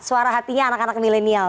suara hatinya anak anak milenial